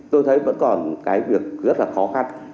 tôi thấy vẫn còn cái việc rất là khó khăn